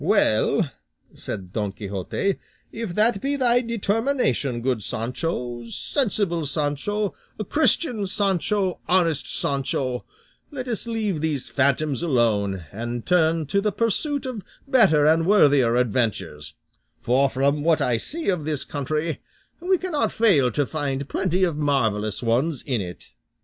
"Well," said Don Quixote, "if that be thy determination, good Sancho, sensible Sancho, Christian Sancho, honest Sancho, let us leave these phantoms alone and turn to the pursuit of better and worthier adventures; for, from what I see of this country, we cannot fail to find plenty of marvellous ones in it."